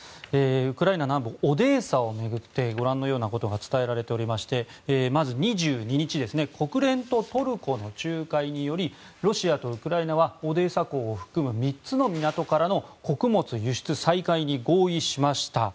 ウクライナ南部オデーサを巡ってご覧のようなことが伝えられておりましてまず、２２日国連とトルコの仲介によりロシアとウクライナはオデーサ港を含む３つの港からの穀物輸出再開に合意しました。